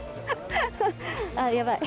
あ、やばい。